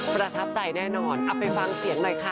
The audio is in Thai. ประทับใจแน่นอนเอาไปฟังเสียงหน่อยค่ะ